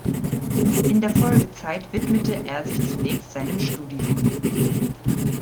In der Folgezeit widmete er sich zunächst seinem Studium.